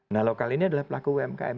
nah lokal ini adalah pelaku umkm